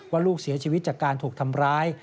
ลูกเสียชีวิตจากการถูกทำร้าย